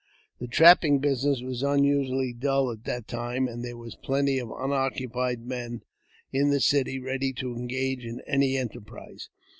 The trapping business was unusually dull at that time, and there were plenty of unoccupied men in the city ready tO' engage in any enterprise.